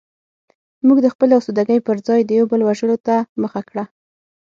موږ د خپلې اسودګۍ پرځای د یو بل وژلو ته مخه کړه